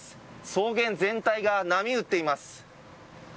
草原全体が波打っています。